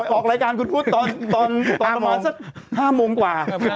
ไปออกรายการคุณพุธตอนประมาณ๕โมงกว่า